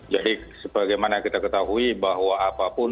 jadi bagaimana kita ketahui bahwa apapun